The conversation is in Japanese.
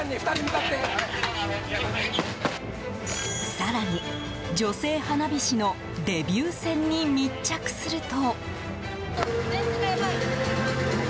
更に、女性花火師のデビュー戦に密着すると。